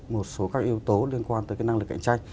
một số các yếu tố liên quan tới cái năng lực cạnh tranh